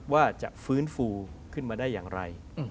ว่าจะฟื้นฟูขึ้นมาได้อย่างไร